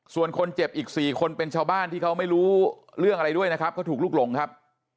ส่วนคนเจ็บอีก๔คนเป็นชาวบ้านที่เขาไม่รู้เรื่องอะไรด้วยนะครับเขาถูกลุกหลงครับ